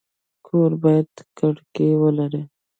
کور باید کړکۍ ولري